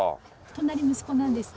隣息子なんです。